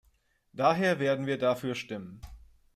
Daher werden wir dafür stimmen.